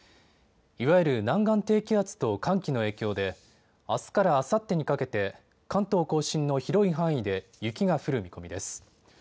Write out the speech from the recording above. いわゆる南岸低気圧と寒気の影響であすからあさってにかけて関東甲信の広い範囲で雪が降る見込みです。